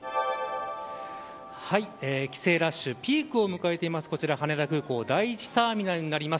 帰省ラッシュピークを迎えています、こちら羽田空港第１ターミナルです。